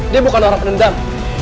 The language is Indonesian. dia bukan orang penendam